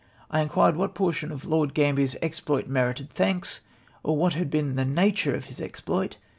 I inquired what portion of Lord Gambler's exploit merited thanks, or what had been the nature of his exploit